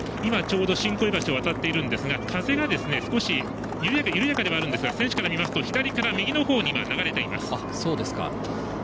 新己斐橋を渡っていますが風が少し緩やかではあるんですが選手から見ますと左から右の方に流れています。